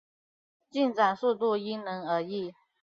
进展速度因人而异。